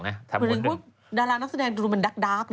พูดถึงว่าดารานักแสดงดูเหมือนดรัก